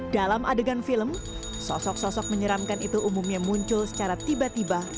dalam adegan film sosok sosok menyeramkan itu umumnya muncul secara tiba tiba